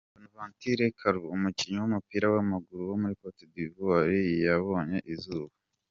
Bonaventure Kalou, umukinnyi w’umupira w’amaguru wo muri Cote d’ivoire yabonye izuba.